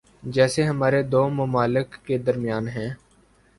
جیسے ہمارے دو ممالک کے درمیان ہیں۔